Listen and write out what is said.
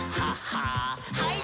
はい。